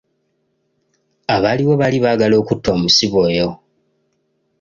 Abaaliwo baali baagala okutta omusibe oyo.